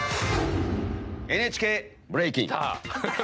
ＮＨＫ、ブレイキン。